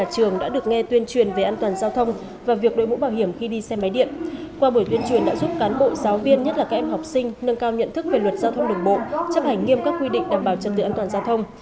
các cán bộ giáo viên nhất là các em học sinh nâng cao nhận thức về luật giao thông đường bộ chấp hành nghiêm các quy định đảm bảo chân tự an toàn giao thông